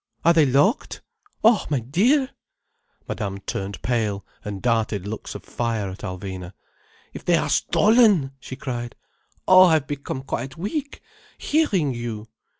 Are they locked? Oh my dear—!" Madame turned pale and darted looks of fire at Alvina. "If they are stolen—!" she cried. "Oh! I have become quite weak, hearing you!"